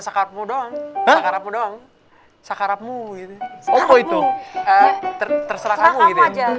sakapu dong dok sakarapu sakarapu itu terserah kamu aja